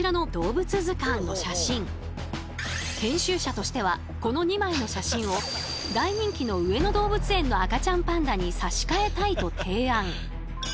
編集者としてはこの２枚の写真を大人気の上野動物園の赤ちゃんパンダに差し替えたいと提案。